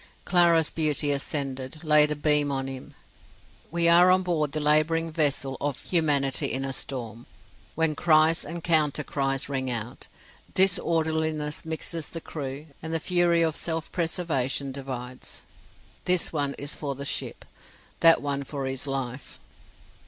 Clara's beauty ascended, laid a beam on him. We are on board the labouring vessel of humanity in a storm, when cries and countercries ring out, disorderliness mixes the crew, and the fury of self preservation divides: this one is for the ship, that one for his life.